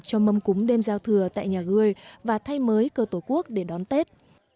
cho mâm cúng đêm giao thừa tại nhà người và thay mới cơ tổ quốc để đón tết